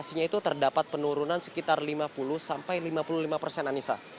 vaksinasinya itu terdapat penurunan sekitar lima puluh sampai lima puluh lima persen anissa